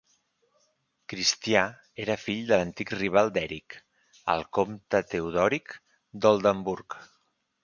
Cristià era fill de l'antic rival d'Eric, el comte Teodoric d'Oldenburg.